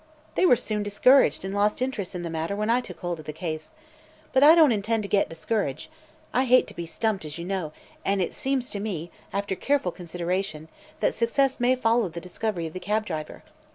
They were soon discouraged and lost interest in the matter when I took hold of the case. But I don't intend to get discouraged. I hate to be 'stumped,' as you know, and it seems to me, after careful consideration, that success may follow the discovery of the cab driver.